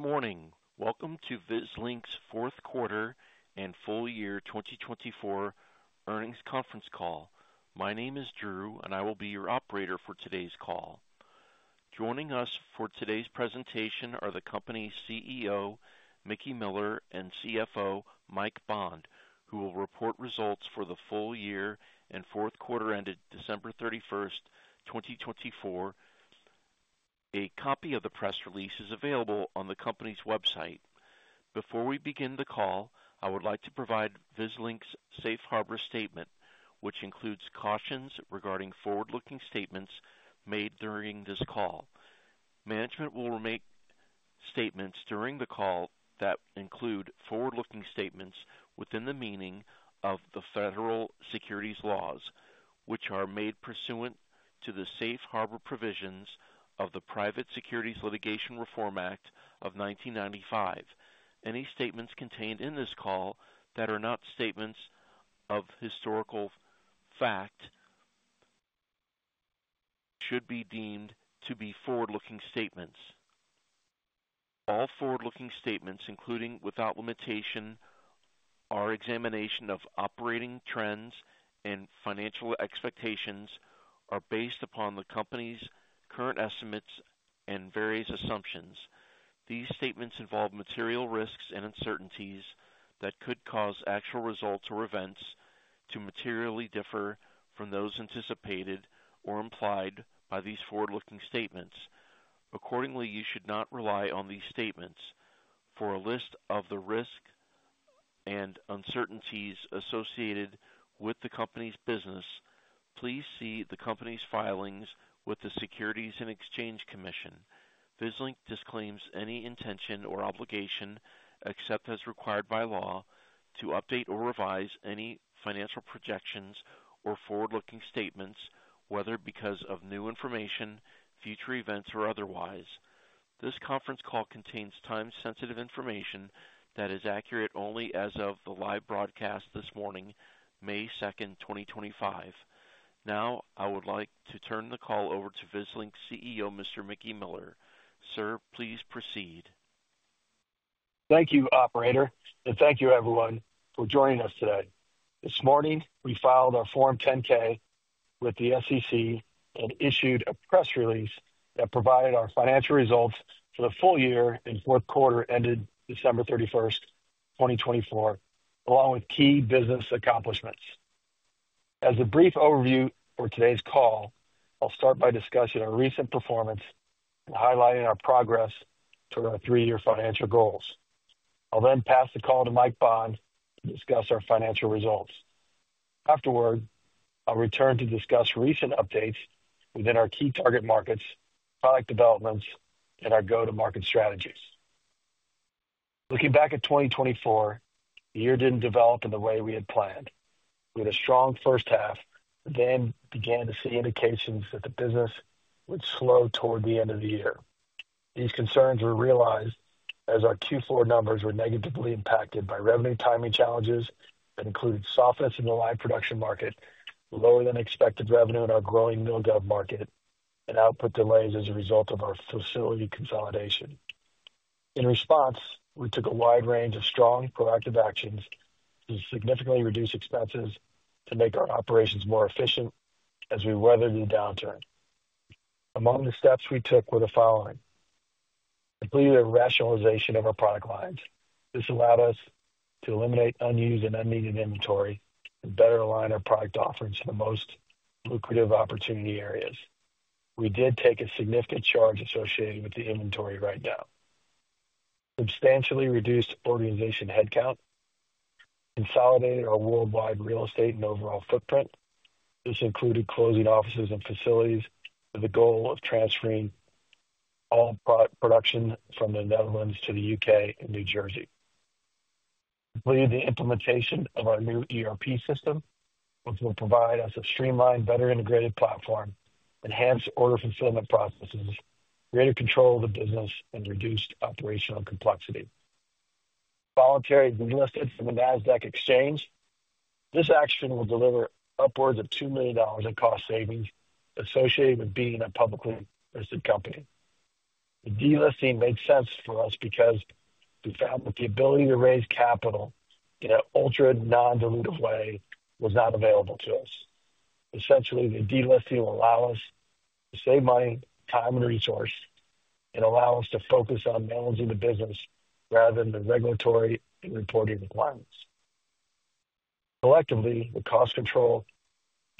Good morning. Welcome to Vislink's fourth quarter and full year 2024 earnings conference call. My name is Drew, and I will be your operator for today's call. Joining us for today's presentation are the company's CEO, Mickey Miller, and CFO, Mike Bond, who will report results for the full year and fourth quarter ended December 31, 2024. A copy of the press release is available on the company's website. Before we begin the call, I would like to provide Vislink's safe harbor statement, which includes cautions regarding forward-looking statements made during this call. Management will make statements during the call that include forward-looking statements within the meaning of the federal securities laws, which are made pursuant to the safe harbor provisions of the Private Securities Litigation Reform Act of 1995. Any statements contained in this call that are not statements of historical fact should be deemed to be forward-looking statements. All forward-looking statements, including without limitation, our examination of operating trends and financial expectations are based upon the company's current estimates and various assumptions. These statements involve material risks and uncertainties that could cause actual results or events to materially differ from those anticipated or implied by these forward-looking statements. Accordingly, you should not rely on these statements. For a list of the risks and uncertainties associated with the company's business, please see the company's filings with the Securities and Exchange Commission. Vislink disclaims any intention or obligation, except as required by law, to update or revise any financial projections or forward-looking statements, whether because of new information, future events, or otherwise. This conference call contains time-sensitive information that is accurate only as of the live broadcast this morning, May 2nd, 2025. Now, I would like to turn the call over to Vislink CEO, Mr. Mickey Miller. Sir, please proceed. Thank you, operator, and thank you, everyone, for joining us today. This morning, we filed our Form 10-K with the SEC and issued a press release that provided our financial results for the full year and fourth quarter ended December 31st, 2024, along with key business accomplishments. As a brief overview for today's call, I'll start by discussing our recent performance and highlighting our progress toward our three-year financial goals. I'll then pass the call to Mike Bond to discuss our financial results. Afterward, I'll return to discuss recent updates within our key target markets, product developments, and our go-to-market strategies. Looking back at 2024, the year didn't develop in the way we had planned. We had a strong first half, then began to see indications that the business would slow toward the end of the year. These concerns were realized as our Q4 numbers were negatively impacted by revenue timing challenges that included softness in the live production market, lower-than-expected revenue in our growing MilGov market, and output delays as a result of our facility consolidation. In response, we took a wide range of strong, proactive actions to significantly reduce expenses to make our operations more efficient as we weathered the downturn. Among the steps we took were the following: completed a rationalization of our product lines. This allowed us to eliminate unused and unneeded inventory and better align our product offerings to the most lucrative opportunity areas. We did take a significant charge associated with the inventory right now, substantially reduced organization headcount, consolidated our worldwide real estate and overall footprint. This included closing offices and facilities with the goal of transferring all production from the Netherlands to the U.K. and New Jersey. Completed the implementation of our new ERP system, which will provide us a streamlined, better-integrated platform, enhanced order fulfillment processes, greater control of the business, and reduced operational complexity. Voluntary delisted from the NASDAQ Exchange. This action will deliver upwards of $2 million in cost savings associated with being a publicly listed company. The delisting made sense for us because we found that the ability to raise capital in an ultra-non-dilutive way was not available to us. Essentially, the delisting will allow us to save money, time, and resource, and allow us to focus on managing the business rather than the regulatory and reporting requirements. Collectively, the cost control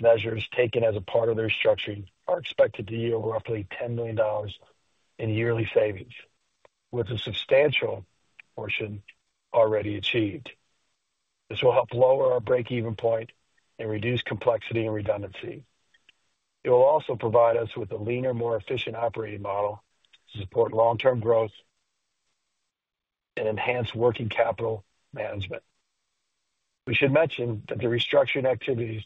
measures taken as a part of the restructuring are expected to yield roughly $10 million in yearly savings, with a substantial portion already achieved. This will help lower our break-even point and reduce complexity and redundancy. It will also provide us with a leaner, more efficient operating model to support long-term growth and enhance working capital management. We should mention that the restructuring activities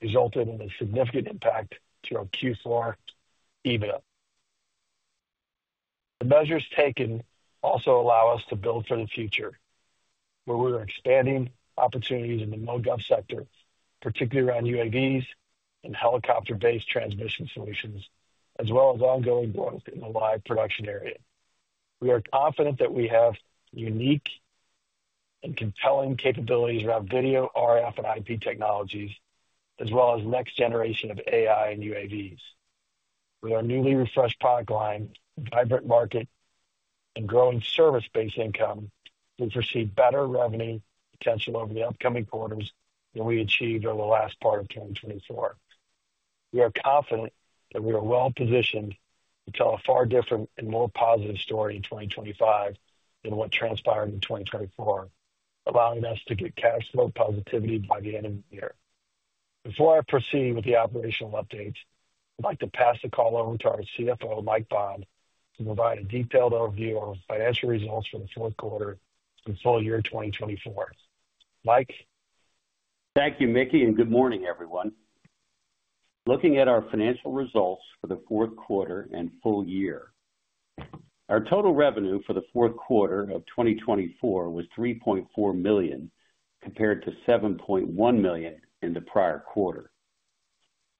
resulted in a significant impact to our Q4 EBITDA. The measures taken also allow us to build for the future, where we're expanding opportunities in the MilGov sector, particularly around UAVs and helicopter-based transmission solutions, as well as ongoing growth in the live production area. We are confident that we have unique and compelling capabilities around video, RF, and IP technologies, as well as next-generation of AI and UAVs. With our newly refreshed product line, vibrant market, and growing service-based income, we foresee better revenue potential over the upcoming quarters than we achieved over the last part of 2024. We are confident that we are well-positioned to tell a far different and more positive story in 2025 than what transpired in 2024, allowing us to get cash flow positivity by the end of the year. Before I proceed with the operational updates, I'd like to pass the call over to our CFO, Mike Bond, to provide a detailed overview of our financial results for the fourth quarter and full year 2024. Mike. Thank you, Mickey, and good morning, everyone. Looking at our financial results for the fourth quarter and full year, our total revenue for the fourth quarter of 2024 was $3.4 million, compared to $7.1 million in the prior quarter.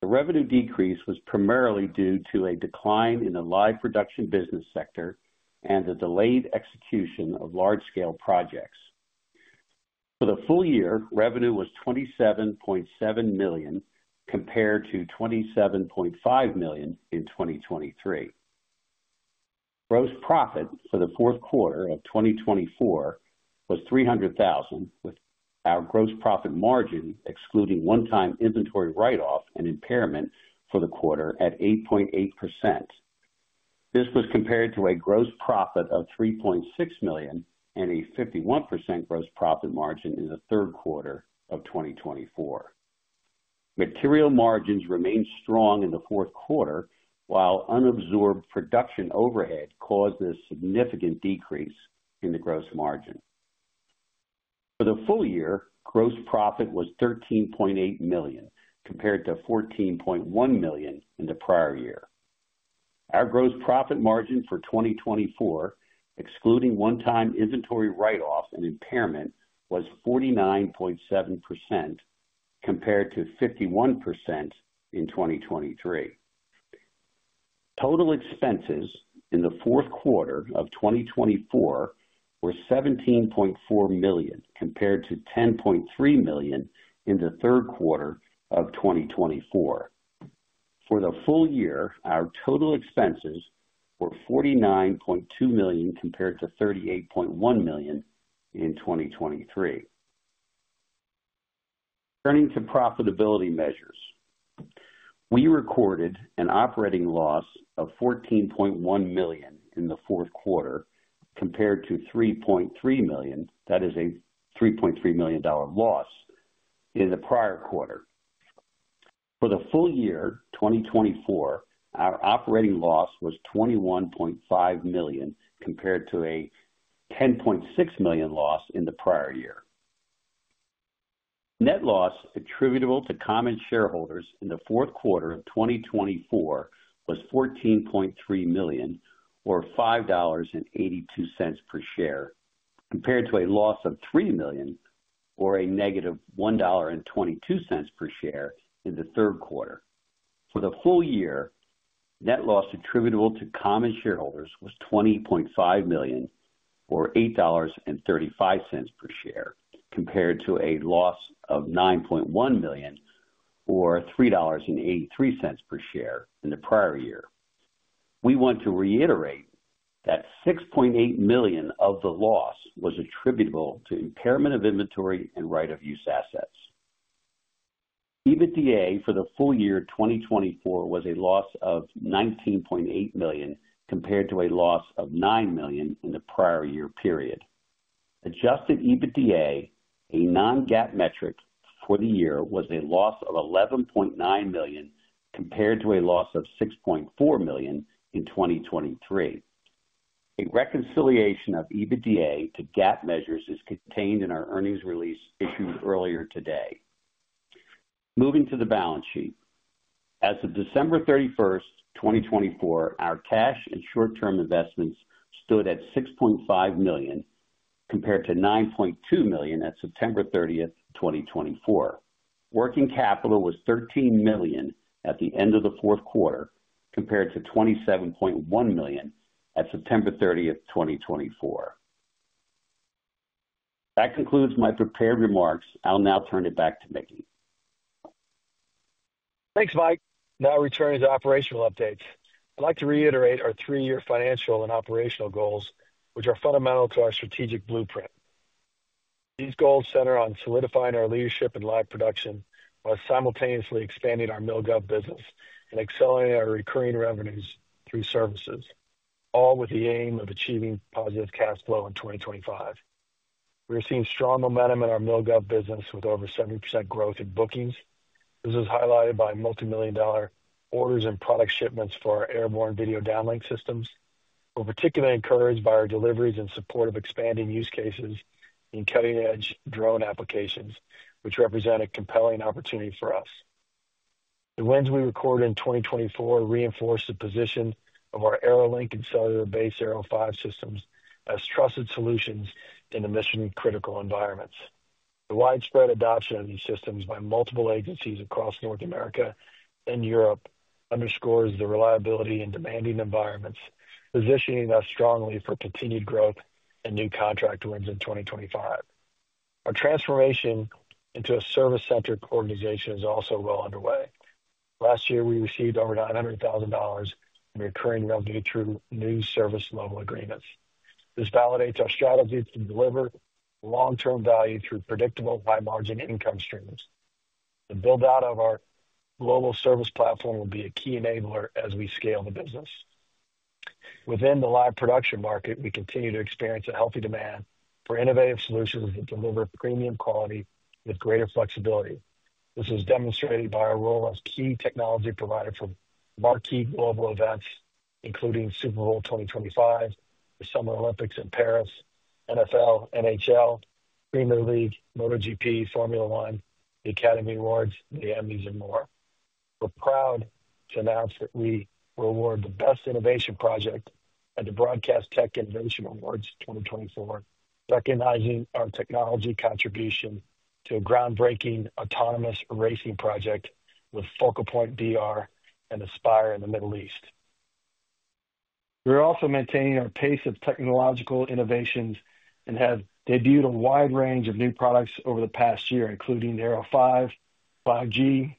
The revenue decrease was primarily due to a decline in the live production business sector and the delayed execution of large-scale projects. For the full year, revenue was $27.7 million, compared to $27.5 million in 2023. Gross profit for the fourth quarter of 2024 was $300,000, with our gross profit margin, excluding one-time inventory write-off and impairment for the quarter, at 8.8%. This was compared to a gross profit of $3.6 million and a 51% gross profit margin in the third quarter of 2024. Material margins remained strong in the fourth quarter, while unabsorbed production overhead caused a significant decrease in the gross margin. For the full year, gross profit was $13.8 million, compared to $14.1 million in the prior year. Our gross profit margin for 2024, excluding one-time inventory write-off and impairment, was 49.7%, compared to 51% in 2023. Total expenses in the fourth quarter of 2024 were $17.4 million, compared to $10.3 million in the third quarter of 2024. For the full year, our total expenses were $49.2 million, compared to $38.1 million in 2023. Turning to profitability measures, we recorded an operating loss of $14.1 million in the fourth quarter, compared to $3.3 million—that is a $3.3 million loss—in the prior quarter. For the full year 2024, our operating loss was $21.5 million, compared to a $10.6 million loss in the prior year. Net loss attributable to common shareholders in the fourth quarter of 2024 was $14.3 million, or $5.82 per share, compared to a loss of $3 million, or a negative $1.22 per share in the third quarter. For the full year, net loss attributable to common shareholders was $20.5 million, or $8.35 per share, compared to a loss of $9.1 million, or $3.83 per share in the prior year. We want to reiterate that $6.8 million of the loss was attributable to impairment of inventory and right-of-use assets. EBITDA for the full year 2024 was a loss of $19.8 million, compared to a loss of $9 million in the prior year period. Adjusted EBITDA, a non-GAAP metric for the year, was a loss of $11.9 million, compared to a loss of $6.4 million in 2023. A reconciliation of EBITDA to GAAP measures is contained in our earnings release issued earlier today. Moving to the balance sheet, as of December 31st, 2024, our cash and short-term investments stood at $6.5 million, compared to $9.2 million at September 30th, 2024. Working capital was $13 million at the end of the fourth quarter, compared to $27.1 million at September 30th, 2024. That concludes my prepared remarks. I'll now turn it back to Mickey. Thanks, Mike. Now, returning to operational updates, I'd like to reiterate our three-year financial and operational goals, which are fundamental to our strategic blueprint. These goals center on solidifying our leadership in live production while simultaneously expanding our MilGov business and accelerating our recurring revenues through services, all with the aim of achieving positive cash flow in 2025. We are seeing strong momentum in our MilGov business with over 70% growth in bookings. This is highlighted by multimillion-dollar orders and product shipments for our airborne video downlink systems. We're particularly encouraged by our deliveries in support of expanding use cases in cutting-edge drone applications, which represent a compelling opportunity for us. The wins we recorded in 2024 reinforce the position of our AeroLink and BaseLink Aero 5 systems as trusted solutions in mission-critical environments. The widespread adoption of these systems by multiple agencies across North America and Europe underscores the reliability in demanding environments, positioning us strongly for continued growth and new contract wins in 2025. Our transformation into a service-centric organization is also well underway. Last year, we received over $900,000 in recurring revenue through new service-level agreements. This validates our strategy to deliver long-term value through predictable high-margin income streams. The build-out of our global service platform will be a key enabler as we scale the business. Within the live production market, we continue to experience a healthy demand for innovative solutions that deliver premium quality with greater flexibility. This is demonstrated by our role as a key technology provider for marquee global events, including Super Bowl 2025, the Summer Olympics in Paris, NFL, NHL, Premier League, MotoGP, Formula 1, the Academy Awards, the Emmys, and more. We're proud to announce that we were awarded the Best Innovation Project at the Broadcast Tech Innovation Awards 2024, recognizing our technology contribution to a groundbreaking autonomous racing project with FocalPoint BR and Aspire in the Middle East. We're also maintaining our pace of technological innovations and have debuted a wide range of new products over the past year, including the Aero 5, 5G,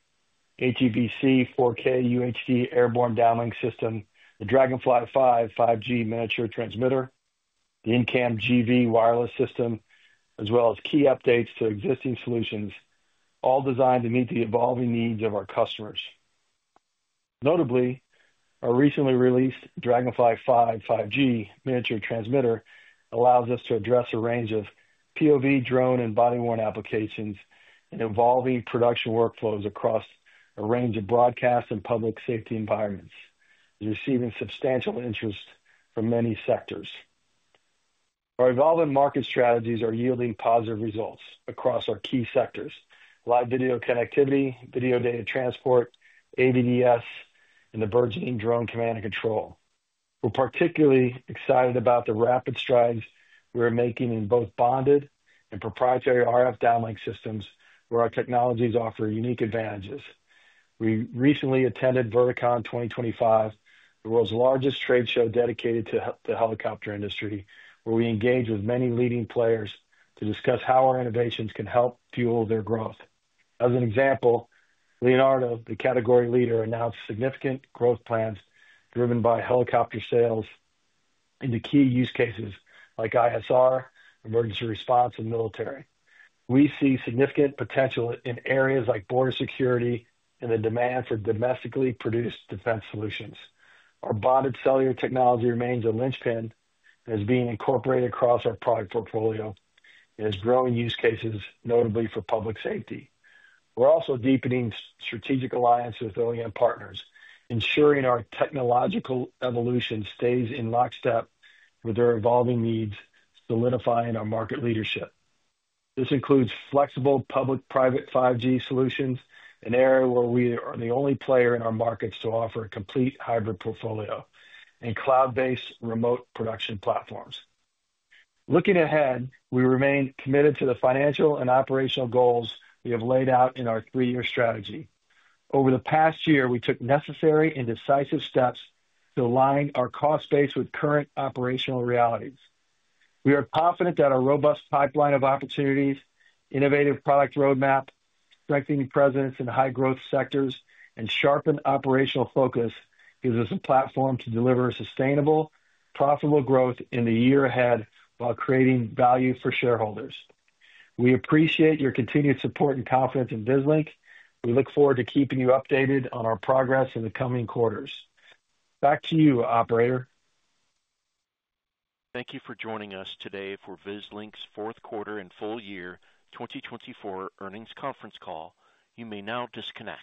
HEVC 4K UHD airborne downlink system, the Dragonfly 5 5G miniature transmitter, the InCam GV wireless system, as well as key updates to existing solutions, all designed to meet the evolving needs of our customers. Notably, our recently released Dragonfly 5 5G miniature transmitter allows us to address a range of POV, drone, and body-worn applications and evolving production workflows across a range of broadcast and public safety environments, receiving substantial interest from many sectors. Our evolving market strategies are yielding positive results across our key sectors: live video connectivity, video data transport, AVDS, and the burgeoning drone command and control. We're particularly excited about the rapid strides we're making in both bonded and proprietary RF downlink systems, where our technologies offer unique advantages. We recently attended Verticon 2025, the world's largest trade show dedicated to the helicopter industry, where we engaged with many leading players to discuss how our innovations can help fuel their growth. As an example, Leonardo, the category leader, announced significant growth plans driven by helicopter sales into key use cases like ISR, emergency response, and military. We see significant potential in areas like border security and the demand for domestically produced defense solutions. Our bonded cellular technology remains a linchpin and is being incorporated across our product portfolio and has growing use cases, notably for public safety. We're also deepening strategic alliances with OEM partners, ensuring our technological evolution stays in lockstep with their evolving needs, solidifying our market leadership. This includes flexible public-private 5G solutions, an area where we are the only player in our markets to offer a complete hybrid portfolio, and cloud-based remote production platforms. Looking ahead, we remain committed to the financial and operational goals we have laid out in our three-year strategy. Over the past year, we took necessary and decisive steps to align our cost base with current operational realities. We are confident that our robust pipeline of opportunities, innovative product roadmap, strengthening presence in high-growth sectors, and sharpened operational focus gives us a platform to deliver sustainable, profitable growth in the year ahead while creating value for shareholders. We appreciate your continued support and confidence in Vislink. We look forward to keeping you updated on our progress in the coming quarters. Back to you, Operator. Thank you for joining us today for Vislink's fourth quarter and full year 2024 earnings conference call. You may now disconnect.